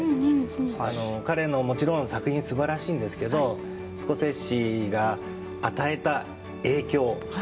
彼のもちろん作品も素晴らしいんですがスコセッシが与えた影響。